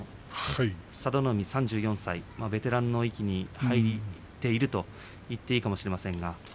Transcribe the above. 佐田の海３４歳、ベテランの域に入っていると言ってもいいかもしれません。